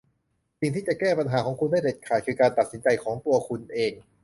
สิ่งที่จะแก้ปัญหาของคุณได้เด็ดขาดคือการตัดสินใจของตัวคุณเอง